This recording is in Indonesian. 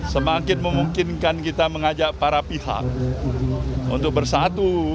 semakin memungkinkan kita mengajak para pihak untuk bersatu